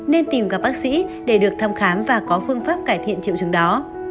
nên tìm gặp bác sĩ để được thăm khám và có phương pháp cải thiện triệu chứng đó